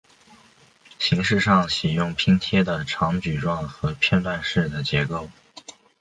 形式上喜用拼贴的长矩状和片段式的结构。